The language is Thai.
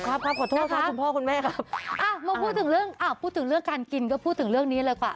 ครับขอโทษขอบคุณพ่อคุณแม่ครับอ่ะมาพูดถึงเรื่องการกินก็พูดถึงเรื่องนี้เลยกว่า